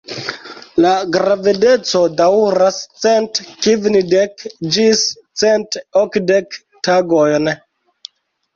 La gravedeco daŭras cent kvindek ĝis cent okdek tagojn.